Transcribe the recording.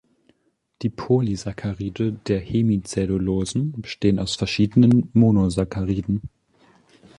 Die Polysaccharide der Hemicellulosen bestehen aus verschiedenen Monosacchariden.